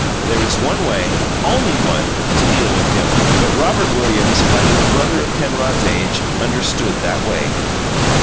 There is one way only one to deal with him; but Robert Williams, having a brother of Penrod's age, understood that way.